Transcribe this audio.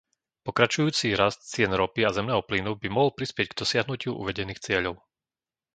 Pokračujúci rast cien ropy a zemného plynu by mohol prispieť k dosiahnutiu uvedených cieľov.